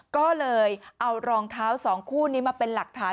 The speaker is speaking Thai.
ก็เลยเอารองเท้าสองคู่นี้มาเป็นหลักฐาน